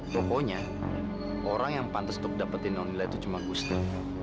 pokoknya orang yang pantes kok dapetin nonila itu cuma gusti